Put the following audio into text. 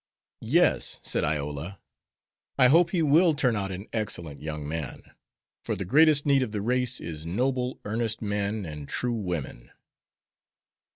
"Yes," said Iola, "I hope he will turn out an excellent young man, for the greatest need of the race is noble, earnest men, and true women."